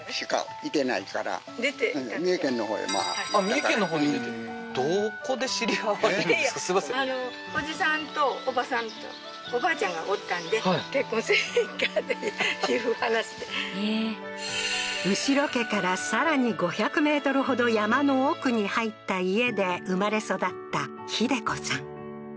三重県のほうにええー後呂家からさらに５００ｍほど山の奥に入った家で生まれ育った秀子さん